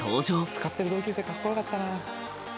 使ってる同級生かっこよかったな。